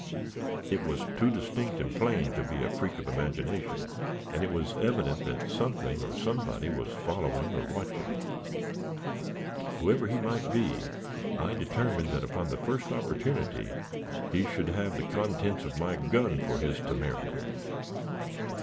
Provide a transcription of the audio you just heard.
It was too distinct and plain to be a freak of imagination, and it was evident that something or somebody was following or watching. Whoever he might be, I determined that, upon the first opportunity, he should have the contents of my gun for his temerity.